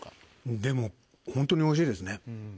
でもホントにおいしいですね。